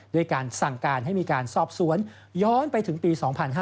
ด้วยการสั่งการให้มีการสอบสวนย้อนไปถึงปี๒๕๕๙